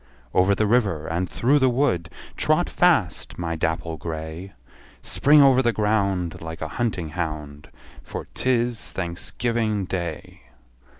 Over the river, and through the wood, Trot fast, my dapple grey! Spring over the ground, Like a hunting hound, For 't is Thanksgiving Day!